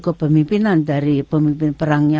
kepemimpinan dari pemimpin perangnya